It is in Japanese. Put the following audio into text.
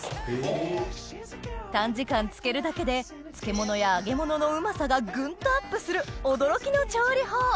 短時間漬けるだけで漬物や揚げ物のうまさがグンとアップする驚きの調理法